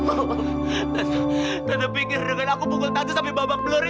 tante tante pikir dengan aku pukul tante sampai babak belori